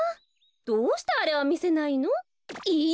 どうしてあれはみせないの？え！